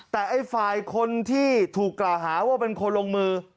แต่ไอ้ฝ่ายคนที่ถูกกล่าวหาว่าเป็นคนลงมือ